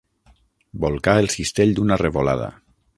Bolcà el cistell d'una revolada.